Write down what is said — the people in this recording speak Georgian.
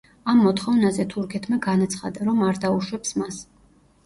ამ მოთხოვნაზე თურქეთმა განაცხადა, რომ არ დაუშვებს მას.